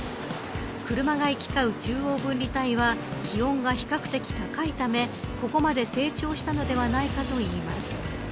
車が行き交う中央分離帯は気温が比較的高いためここまで成長したのではないかといいます。